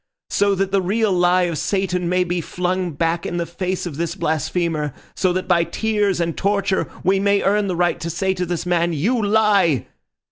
So that the real lie of Satan may be flung back in the face of this blasphemer, so that by tears and torture we may earn the right to say to this man, 'You lie!